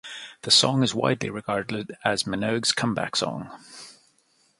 The song is widely regarded as Minogue's Comeback Song.